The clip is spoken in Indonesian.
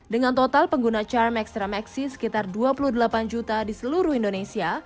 dengan total pengguna charm ekstra maxi sekitar dua puluh delapan juta di seluruh indonesia